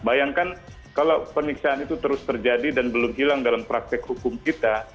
dan kalau peniksaan itu terus terjadi dan belum hilang dalam praktek hukum kita